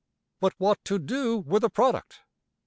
But what to do with a product?